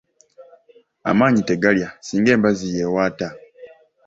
Amaanyi tegalya singa embazzi y’ewaata